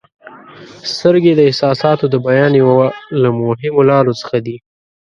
• سترګې د احساساتو د بیان یوه له مهمو لارو څخه دي.